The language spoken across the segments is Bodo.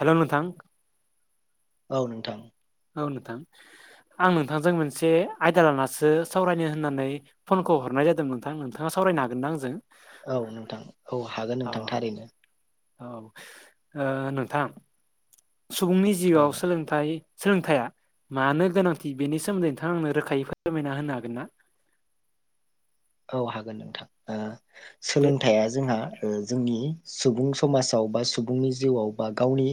हेल' नोंथां औ नोंथां औ नोंथां आं नोंथांजों मोनसे आयदा लानासो सावरायनो होननानै फन हरनाय जादों नोंथां नोंथाङा सावरायनो हागोना आंजों? औ नोंथां औ हागोन अ नोंथां थारैनो औ ओ नोंथां सुबुंनि औ जिउआव सोलोंथाइ सोलोंथाइया मानो गोनांथि बेनि सोमोन्दै नोंथां आंनो रोखायै फोरमायना होनो हागोन ना? [inaudible] औ हागोन नोंथां दे सोलोंथाइया जोंहा। जोंनि सुबुं समाजाव बा सुबुंनि जिउआव बा गावनि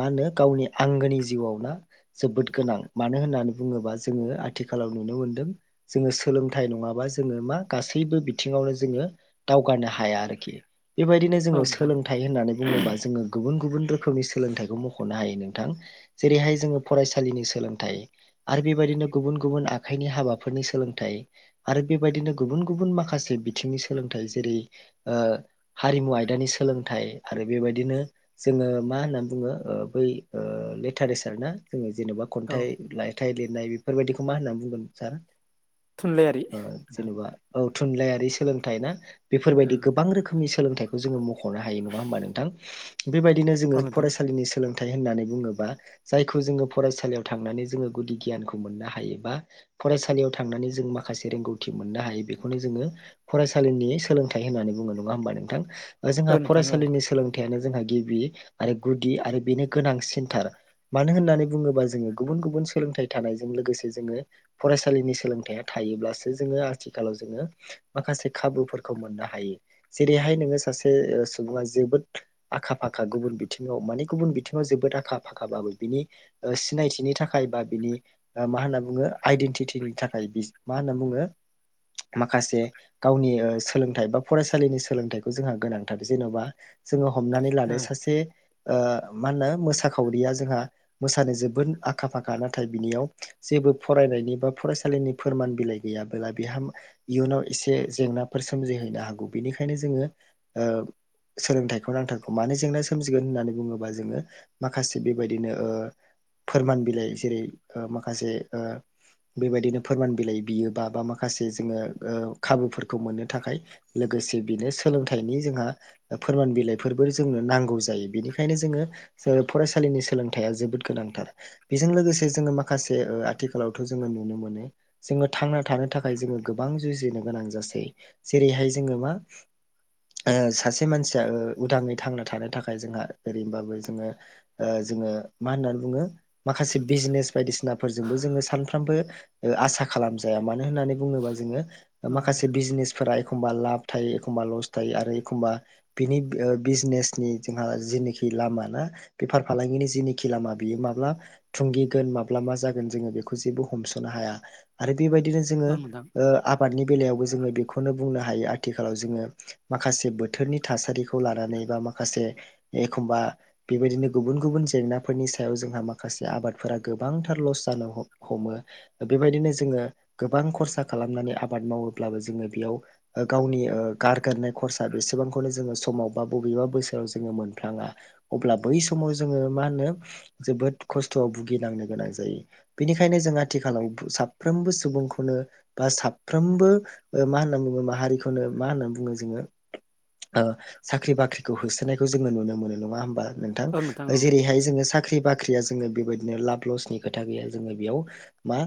मा होनो गावनि आंगोनि जिउआव न जोबोद गोनां मानो होननानै बुंङोबा जोंङो आथिखालाव नुनो मोनदों। जोंङो सोलोंथाइ नंङाबा। जोंङो मा गासैबो बिथिङावनो जोंङो दावगानो हाया आरोखि। बेबायदिनो औ जोंङो नोंथां सोलोंथाइ होननानै बुंङोबा जोंङो गुबुन गुबुन। रोखोमनि सोलोंथायखौ मख'नो हायो नोंथां जेरैहाय जोंङो फरायसालिनि सोलोंथाय आरो बेबायदि। बिनो गुबुन गुबुन आखाइनि हाबाफोरनि सोलोंथाइ आरो बेबायदिनो गुबुन गुबुन माखासे बिथिंनि सोलोंथाइ जेरै हारिमु आयदानि सोलोंथाइ। ना आरो बेबायदिनो जोंङो मा होननानै बुङो बै लिटारेसार ना जोंनि जेनेबा औ खन्थाइ लायथाइ लिरनाय बेफोरबायदिखौ मा होनना बुंगोन सार थुनलाइयारि नोंथां जेनेबा औ थुनलाइारि सोलोंथाइ ना। बेफोरबायदि औ गोबां रोखोमनि सोलोंथाइखौ जोंङो मख'नो हायो नंङा होमबा नोंथां। बेबायदिनो जोंङो औ नोंथां फरायसालिनि सोलों थाय होननानै बुंङोबा जायखौ जोङो फरायसालियाव थांनानै जोंङो गुदि गियानखौ मोननो हायोबा। फरायसालियाव थांनानै जों मा? माखासे रोंगौथि मोननो हायो बेखौनो जोंङो फरायसालिनि सोलोंथाइ होननानै बुङो नंङा होमबा नोंथां? जोंहा औ नोंथां औ फरायसालिनि सोलोंथाय। जोंहा गिबि आरो गुदि आरो बेनो गोनां सेन्टार मानो होननानै बुंङोबा जोंङो गुबुन गुब गुबुन सोलोंथाइ थानायजों लोगोसे जोंङो फरायसालिनि सोलोंथाइया। थायोसो जोंङो आथिखालाव जोङो माखासे खाबुफोरखौ मोननो हायो जेरैहाय नोंङो। सासे सुबुा जोबोद आखा फाखा गुबुन बिथिङाव माने गुबुन बिथिङाव जोबोद आखा-फाखा बाबो। बिनि सिनायथिनि थाखाय बा बिनि मा होनना बुंङो आइडेन्टितनि थाखाय बि मा होनना बुंङो माखासे गावनि सोलोंथाइ बा फरायसालिनि सोलोंथाइखौ जोंहा गोनांथार जेन'बा जोंङो हमनानै औ लाानो सासे मा होनो मोसाखावरिया जोंहा मोसानो जोबोद आखा -फाखा नाथाय बिनियाव जे जेबो फरायनायनि बा फरायसालिनि फोरमान बिलाइ गैयाबोला बेहा इयुनाव एसे जेंनाफोर सोमजिहैनो हागौ बेनिखायनो जोंङो। ओ। सोलोंथाइखौ नांथारगौ मानो जेंना सोमजिगोन होननानै बुंङोबा जोंङो माखासे बेबायदिनो। फोरमान बिलाइ जेरै माखासे बेबायदिनो फोरमान बिलाइ बियोबा बा माखासे जोंङो खाबुफोरखौ मोननो थाखाय लोगोसे बेनो सोलोंथाइनि जोंहा फोरमान बिलाइफोरबो जोंनो नांगौ जायो बेनिखायनो जोंङो फरायसा। नि सोलोंथाइआ जोबोद गोनांथार बेजों लोगोसे जोंङो माखासे आथिखालावथ' जोंङो नुनो मोनो। जोंङो थांना थानो थाखाय जोङो गोबां जुजिनो गोनां जासै जेरैहाय जोंङो मा। सासे मानसिया उदांङै थांना थानो थाखाय जोंहा ओरैनोबाबो जोंङो जोंङो मा होननानै बुंङो माखासे बिजनेस बायदिसिनाफोरजोंबो जोंङो सानफ्रामबो आसा खालामजाया मानो होननानै बुंङोबा जोंङो औ माखासे नोंथां बिजनेसफोरा। एखमबा लाब थायो एखमबा लस थायो आरो एखमबा बिनि बिजनेसनि जोंहा जेनाखि लामा ना बेफार फालांगिनि जिनिखि लामा बियो माब्ला थुंगिगोन माब्ला मा जागोन जों बेखौ जेबो हमसनो हाया आरो बेबायदिनो जोंङो औ नोंथां आबादनि बेलायावबो जोंङो बेखौनो बुंनो हा हायो आथिखालाव जोङो माखासे बोथोरनि थासारिखौ लानानै बा माखासे एखम्बा बेबायदिनो गुबुन गुबुन जेंनाफोरनि सायाव जोंहा माखासे आबादफोरा गोबांथार लस जानो ह हमो बेबायदिनो जोंङो गोबां खरसा खालामनानै आबाद मावोब्लाबो जोंङो बेयाव गावनि गारगोननाय खरसा बेसेबांखौनो जोङो समाव बा बबेबा बोसोराव जोंङो मोनफ्लाङा अब्ला बै समाव समाव जोंङो मा होनो जोबोद खस्थ'आव भुगिनांनो गोनां जायो बेनिखायनो जोंहा आथिखालाव साफ्रोमबो सुबुंखौनो बा साफ्रोमबो मा होनना बुङो माहारिखौनो मा होनना बुङो जोङो साख्रि बाख्रिखौ होसोनायखौ जोङो नुनो मोनो नङा होमबा औ नोंथां औ जेरैहाय जोङो साख्रि बाख्रि साख्रिया जोङो बेबायदिनो लाब लसनि खोथा गैया जोङो बेयाव मा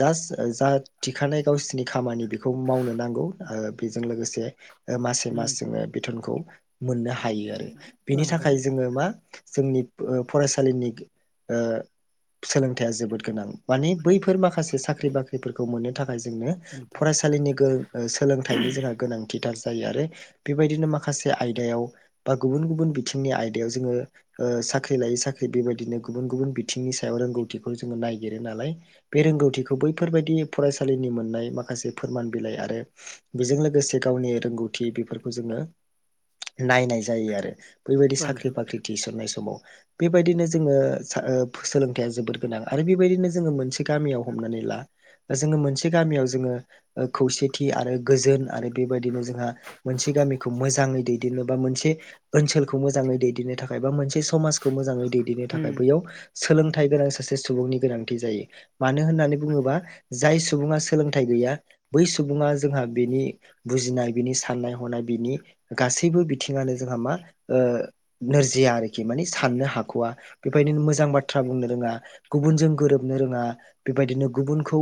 जास्ट जा थिखानाय गावसोरनि खामानि बेखौ मावनो नांगौ बेजों लोगोसे मसे उम मास जोङो बिथनखौ मोननो हायो आरो औ बेनि नोंथां थाखाय जोङो मा जोंनि फरायसालिनि सोलोंथाइया जोबोद गोनां माने बैफोर माखासे साख्रि बाख्रिफोरखौ मोननो थाखाय जोंनो फरायसालिनि सोलोंथाइनि जोंहा गोनांथि आरो बेबायदिनो माखासे आयदायाव बा गुबुन गुबुन बिथिंनि आयदायाव जोङो साख्रि लायै साख्रि बेबायदिनो गुबुन गुबुन बिथिंनि सायाव रोंगौथिखौ जोङो नायगिरो नालाय बे रोंगौथिखौ बैफोरबायदि फरायसालिनि मोननाय माखासे फोरमान बिलाइ आरो बेजों लोगोसे गावनि रोंगौथि बेफोरखौ जोङो नायनायायो जायो आरो बेैबायदि औ नोंथां औ साख्रि नोंथां बाख्रि थिसननाय व बेबायदिनो जोङो सोलोंथाया जोबोद गोनां आरो बेबायदिनो जोङो मोनसे गामियाव हमनानै ला दा जोङो मोनसे गामियाव जोङो खौसेथि आरो गोजोन आरो बेबायदिनो जोंहा मोनसे गामिखौ मोजाङै दैदेननो बा मोनसे ओनसोलखौ मोजाङै दैदेननो थाखाय बा मोनसे समाज खौ मोजाङै दैदेननो उम थाखाय बैयाव सोलोंथाइ गोनां सासे सुबुंनि गोनांथि जायो मानो होननानै बुङोबा जाय सुबुङा सोलोंथाइ गैया बै सुबुङा जोंहा बिनि बुजिनाय बिनि साननाय हनाय बिनि गासैबो बिथिङानो जोंहा मा नोरजिया आरोखि माने साननो हाख'वा बेबायदिनो मोजां बाथ्रा बुंनो रोङा गुबुनजों गोरोबनो रोङा बेबायदिनो गुबुनखौ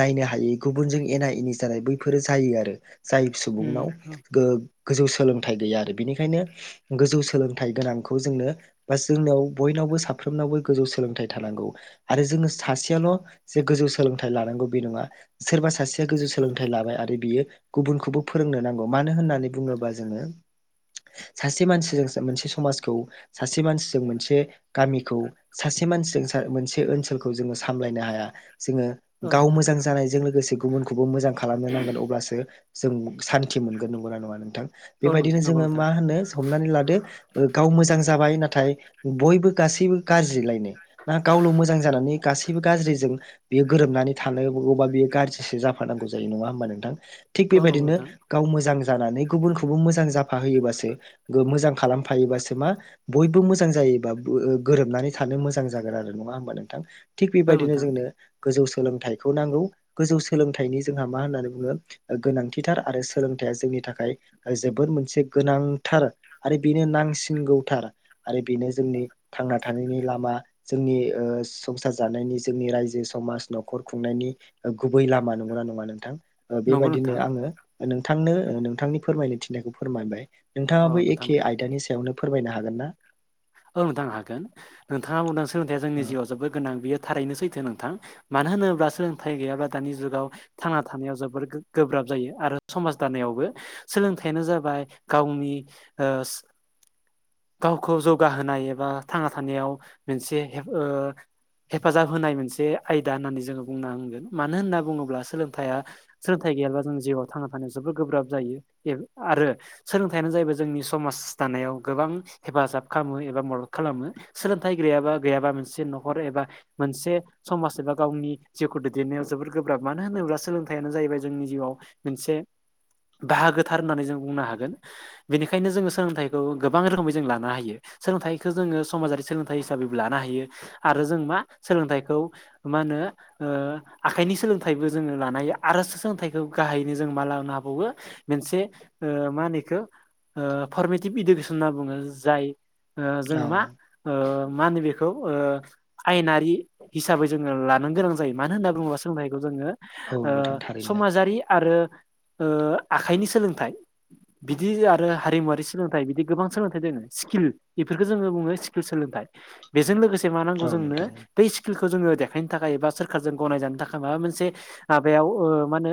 नायनो हायै गुबुनजों एना एनि जानाय बैफोरो जायो आरो जाय सुबुंनाव उम गोजौ सोलोंथाइ गैया आरो बेनिखायनो गोजौ सोलोंथाइ गोनांखौ जोंनो बा जोंनियाव बय साफ्रोमनावबो गोजौ सोलोंथाइ थानांगौ आरो जोङो सासेयाल' जे गोजौ सोलोंथाइ लानांगौ बे नङा सोरबा सासेया गोजौ औ नोंथां सोलोंथाइ लाबाय आरो बियो गुबुनखौबो फोरोंनो नांगौ मानो होननानै बुङोबा जोङो सासे मानसिजों मोनसे समाजखौ सासे मानसिजों मोनसे गामिखौ सासे मोनसे मानसिजों मोनसे ओनसोलखौ जोङो सामलायनो हाया दा जोङो औ गाव नोंथां मोजां जानायजों लोगोसे गुबुनखौबो मोजां खालामनो नांगोन अब्लासो जों सान्थि मोनगोन नंगौना नङा नोंथां औ बेबायदिनो नंगौ जोङो नोंथां मा होनो हमनानै लादो गाव मोजां जाबाय नाथाय बयबो गासैबो गाज्रिलायनाय ना गावल' मोजां जानानै गासैबो गाज्रिजों बेयो गोरोबनानै थानांगौबा बेयो गाज्रिसो जाफानांगौ जायो नङा होमबा नोंथां थिग औ नंगौ बेबायदिनो नोंथां गाव मोजां जानानै गुबुनखौबो मोजां जाफाहोयोबासो खालामफायोबासो मा बयबो मोजां गोरोबनानै थानो मोजां जागोन आरो नङा होनबा नोंथां थिग औ बेबायदिनो नोंथां जोंनो गोजौ सोलोंथाइखौ नांगौ गोजौ सोलोंथाइनि जोंहा मा होननानै बुङो गोनांथिथार आरो सोलों सोलोंथाइया जोंनि थाखाय जोबोद मोनसे गोनांथार आरो बेनो नांसिनगौथार आरो बेनो जोंनि थांना थानायनि लामा जोंनि संसार जानायनि जोंनि रायजो समाज न'खर खुंनायनि गुबै लामा नंगौना नङा नोंथां नंगौ बेबायदिनो नोंथां आङो नोंथांनो नोंथांनि फोरमायनो थिनायखौ फोरमायबाय औ नोंथाङाबो नोंथां एखे आयदानि सायावनो फोरमायनो हागोन ना औ नोंथां हागोन नोंथाङा बुंदों सोलोंथाइया जोंनि ओ जिउआव जोबोद गोनां बेयो थारैनो सैथो नोंथां मानो होनोब्ला सोलोंथाइ गैयाब्ला दानि जुगाव थांना थानायाव जोबोद गोब्राब जायो आरो समाज दानायावबो सोलोंथायानो जाबाय गावनि गावखौ जौगाहोनाय एबा थांना थानायाव मोनसे ह हेफाजाब होनाय मोनसे आयदा होननानै जोङो बुंन हांगोन मानो होनना बुङोब्ला सोलोंथाया सोलोंथाइ गैयाब्ला जों जिउआव थांना थानायाव जोबोर गोब्राब जायो आरो सोलोंथाइयानो जाहैबाय जोंनि समाज दा नायाव गोबां हेफाजाब खालामो एबा मदद खालामो सोलोंथाइ गैयाबा गैयाबा मोनसे न'खर एबा मोनसे समाज एबा गावनि जिउखौ दैदेननायाव जोबोद गोब्राब मानो होनोब्ला सोलोंथायाइयानो जाहैबाय जोंनि जिउआव मोनसे बाहागोथार होननानै जों बुंनो हागोन बेनिखायनो जोङो सोलोंथाइखौ गोबां रोखोमै लानो‌ हायो सोलोंथाइखौ जों समाजारि सोलोंथाय हिसाबै बो लानो हायो आरो जों मा सोलोंथाइ खौ ओ मा होनो आखाइनि सोलोंथाइबो जोङो लानो हायो आरो सोलोंथाइखौ गाहायनो जों मा लानो हाबावदों मोनसे ओ मा होनो एखो ओ फरमेटिभ इडुकेसन होनना बुङो जाय ओ जों औ मा ओ मा नोजो- ओ आयेनारि हिसाबै जोङो लानो गोनां जायो मानो होनना बुङोब्ला सोलोंथाइखौ जोङो औ ओ नोंथां थारैनो समाजारि आरो आखाइनि सोलोंथाइ बिदि आरो हारिमुवारि सोलोंथाइ बिदि गोबां सोलोंथाइ दोङो स्किल बेफोरखौ जोङो बुङो स्किल सोलोंथाइ बेजों लोगोसे मा नांगौ औ जोंनो नोंथां दै स्किल खौ जोङो देखायनो थाखाय एबा सोरखारजों गनायजानो थाखाय माबा मोनसे माबायाव मा होनो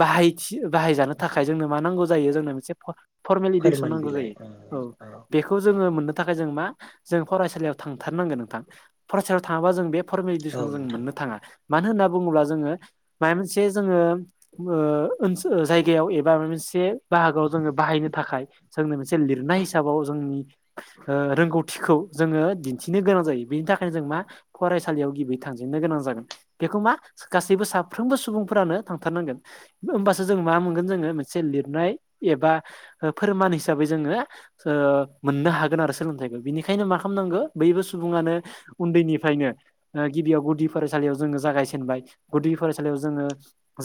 बाहाय बाहाय जानो थाखाय जोंनो मा नांगौ जायो जोंनो मोनसे फरमेल इडुकेसन फोरमान नांगौ बिलाइ जायो ओ औ जों मोननो थाखाय जों मा जों फरायसालियाव थांथारनांगोन नोंथां फरायसालियाव थाङोबा जों बे औ फरमेलिटिखौ जों नोंथां मोननो थाङा मानो होनना बुङोब्ला जोङो माबा मोनसे जोङो ओ ओनसोल जायगायाव एबा माबा मोनसे बाहागोआव जोङो बाहायनो थाखाय जोंनो मोनसे लिरनाय हिसाबाव जोंनि ओ रोंगौथिखौ जोङो दिन्थिनो गोनां जायो बेनि थाखायनो जों मा फरायसालियाव गिबि थांजेननो गोनां जागोन बेखौ मा गासैबो साफ्रोमबो सुबुंफोरानो थांथारनांगोन होमबासो जों मा मोनगोन जोङो मोनसे लिरनाय एबा फोरमान हिसाबै जोङो ओ मोननो हागोन आरो सोलोंथाइखौ बिनिखायनो मा खालामनांगौ बैबो सुबुङानो उन्दैनिफ्रायनो ओ गिबियाव गुदि फरायसालियाव जोङो जागायजेनबाय गुदि फरायसालियाव जोङो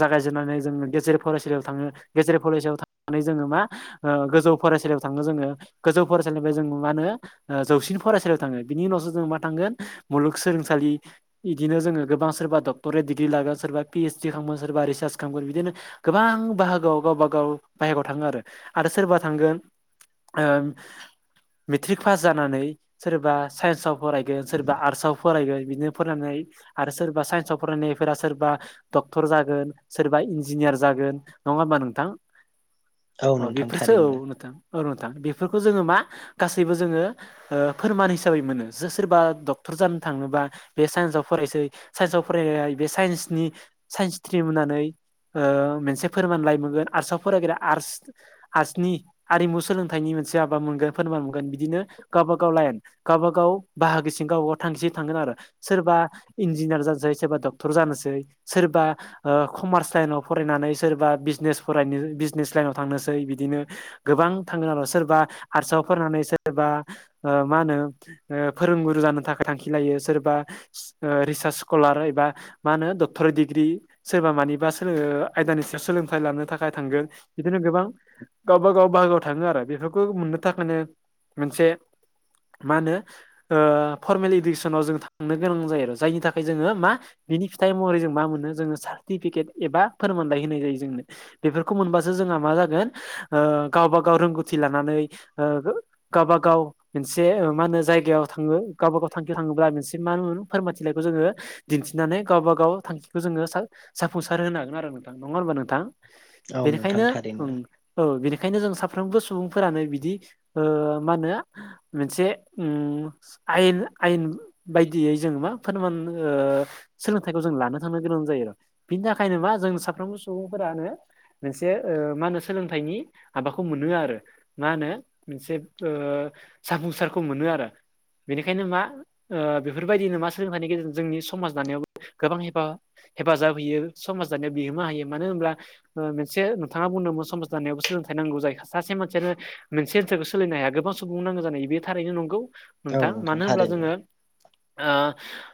जागायजेननानै जोङो गेजेर फरायसालियाव थाङो गेजेर फरायसालियाव थांनानै जोङो मा ओ गोजौ फरायसालियाव थाङो जोङो गोजौ फरायसालिनिफ्राय जों मा होनो जौसिन फरायसालियाव थाङो बिनि उनावसो जों मा थांगोन मुलुगसोलोंसालि लि बिदिनो जो गोबां सोरबा डक्टरेट डिग्रि लागोन सोरबा पिओइसडि खालामगोन सोरबा रिसार्च खालामगोन बिदिनो गोबां बाहागोआव गावबागाव बाहागोआव थाङो आरो आरो सोरबा थांगोन ओ मेट्रिक पास जानानै सोरबा साइन्सआव फरायगोन सोरबा आर्टसआव फरायगोन बिदिनो फरायनानै आरो सोरबा साइन्सआव फरायनायफोरा सोरबा डक्टर जागोन सोरबा इन्जिनियार जागोन नङा होमबा नोंथां औ अ नोंथां बेफोरसो थारैनो औ नोंथां औ बेफोरखौ जोङो मा गासैबो जोङो फोरमान हिसाबै मोनो सोरबा डक्टर जानो थाङोबा बे साइन्सआव फरायसै साइन्सआव फराय बे साइन्सनि साइन्स स्ट्रिम होननानै मोनसे फोरमानलाइ मोनगोन आर्टसआव फरायग्रा आर् आर्टसनि आरिमु सोलों- थाइनि मोनसे फोरमान बिदिनो गावब गाव लाइन गावबा गाव बाहागोसिम गावबा गाव थां आरो सोरबा इन्जिनियार जानोसै सोरबा डक्टर जानोसै सोरबा कमार्स लाइनाव फरायनानै सोरबा बिजने फरायनो बिजनेस लाइनाव थांनोसै बिदिनो गोबां थाङो आरो सोरबा आर्सआव फरायनानै सोरबा मा होनो फोरोंगुरु जानो थाखाय थांखि लायो सोरबा ओ रिसार्च स्कलार एबा मा होनो डक्टरेट डिग्र्रि सोरबा मा- बेबा सो आयदानि सायाव सोलोंथाइ लानो थाखाय थांगोन बिदिनो गोबां गावबा गाव बाहागोआव थाङो आरो बेफोरखौ मोननो थाखायनो मोनसे मा होनो ओ फर्मेल इदुकेसनाव जों थांनो गोनां जायो आरो जायनि थाखाय जोङो मा बिनि फिथाइ महरै जों मा मोनो जोङो सार्टिफिकेट एबा फोरमानलाइ होनाय जायो जोंनो बेफोरखौ मोनबासो जों हा मा जागोन ओ गावबा गाव रोंगौथि लानानै ओ गावबा गाव मोनसे ओ मा होनो जायगायाव थाङो गावबा गाव थांखिआव थाङोब्ला मोनसे मा होनगोन फोरमाइथिलाइखौ जोङो दिन्थिनानै गावबा गाव थांखिखौ जों जाफुंसार होनो हागोन आरो नोंथां नङा होमबा नोंथां औ नोंथां बेनिखाइनो थारैनो ओं औ बेनिखायनो जों सा फ्रोमबो सुबुंफोरानो बिदि ओ मा होनो मोनसे उम आयेन आयेन बायदियै जों मा फोरमान ओ सोलोंथाइखौ जों लानो थांनो गोनां जायो। बिनि थाखायनो मा जों साफ्रोमबो सुबुंफोरानो मोनसे ओ मा होनो सोलोंथाइनि हाबा खौ मोनो आरो मा होनो मोनसे ओ जाफुंसारखौ मोनो आरो बेनिखायनो मा ओ बेफोरबायदिनो मा सोलोंथाइनि गेजेरजों जोंनि समाज दानायाव गोबां हेफा हेफाजाब होयो समाज दानायाव बिहोमा होयो मानो होनब्ला मोनसे नोंथाङा बुंदोंमोन समाज दानायावबो सो लोंथाइ नांगौ जायो सासे मानसियानो मोनसे ओनसोलखौ सोलिनो हाया गोबां सुबुं नांगौ जानाय बे थारैनो नंगौ औ नोंथाङा नोंथां मानो होमब्ला थारैनो जोङो ओ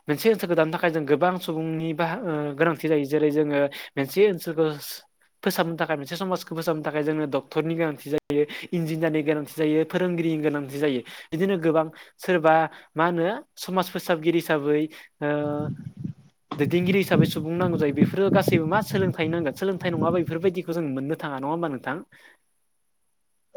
मोनसे ओनसोलखौ दानो थाखाय जों गोबां सुबुंनि बाह गोनांथि जायो जेरै जोङो मोनसे ओनसोलखो फोसाबनो थाखाय मोनसे समाजखौ फोसाबनो थाखाय जोनो डक्टरनि गोनां थि जायो इन्जिनियारनि गोनांथि जायो फोरोंगिरिनि गोनांथि जायो बिदिनो गोबां सोरबा मा होनो समाज फोसाबगिरि हिसाबै ओ दैदेनगिरि हिसाबै सुबुं नांगौ जायो बेफोरो गासैबो मा सोलोंथाइ नांगोन सोलोंथाइ नङाबा बेफोरबायदिखौ जों मोननो थाङा नङा होनबा नोंथां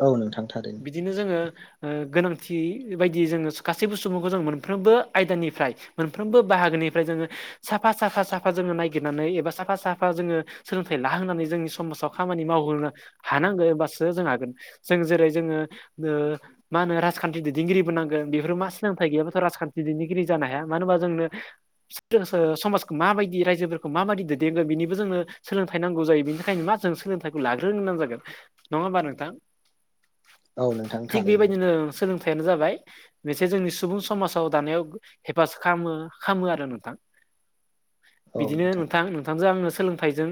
औ नोंथां थारैनो बिदिनो जोङो ओ गोनां थि बायदि जोङो गासैबो सुबुंखो जों मोनफ्रोमबो आयदानिफ्राय मोनफ्रोमबो बाहागोनिफ्राय जोङो साफा साखा साफा जोङो नागिरनानै एबा साफा साफा जोङो सोलोंथाइ लाहोनानै जोंनि समाजाव खामानि मावहोनो हानांगो बा सो जों हागोन जों जेरै जोङो ओ मा होनो राजखान्थि दैदेनगिरिबो नांगोन बेफोर मानसि गैयाबाथ' राजखान्थि दैदेनगिरि जानो हाया मानो होनबा जोंनो समाजखौ मा बायदि रायजोफोरखौ मा माबादि दैदेनगोन बेनिबो जोंनो सोलोंथाइ नांगौ जायो बेनि थाखायनो मा जों सोलोंथाइखौ लाग्रोहोनो गोनां जागोन नङा होमबा नोंथां औ नोंथां थिग थारैनो बेबायदिनो सोलों थाइयानो जाबाय बेसो जोंनि सुबुं समाजाव दानायाव हेफाजाब खामो खामो आरो नोंथां बिदिनो नोंथां नोंथांजों आङो सोलों थाइजों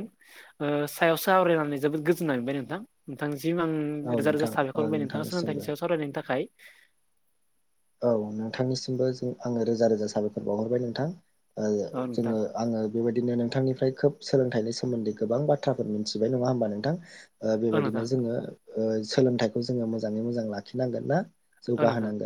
ओ सायाव सावरायनानै जोबोद गोजोननाय मोनबाय नोंथां नोंथां सिम आं औ रोजा रोजा नोंथां औ साबायखर होबाय नोंथां सोलोंथाइनि नोंथांनिसिमबो सायाव सावरायनायनि थाखाय औ नोंथांनिसिमबो जों आङो रोजा रोजा साबायखर बावहरबाय नोंथां ओ औ नोंथां जोङो आङो बेबायदिनो नोंथांनिफ्राय खोब सोलोंथाइनि सोमोन्दै गोबां बाथ्राफोर मिथिबाय नङा होमबा नोंथां ओ औ बेबायदिनो नोंथां जोङो ओ सोलोंथाइखौ जोङो मोजाङै मोजां लाखिनांगोन ना औ नोंथां जौगाहोनांगोन